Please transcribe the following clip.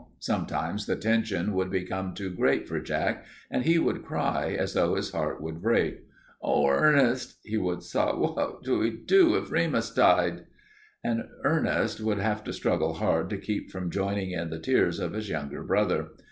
Sometimes the tension would become too great for Jack and he would cry as though his heart would break. "Oh, Ernest," he would sob, "what should I do if Remus died?" And Ernest would have to struggle hard to keep from joining in the tears of his younger brother.